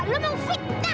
lo mau fitnah